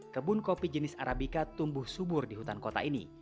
kebun kopi jenis arabica tumbuh subur di hutan kota ini